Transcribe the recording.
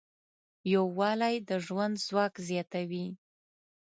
یووالی د ژوند ځواک زیاتوي.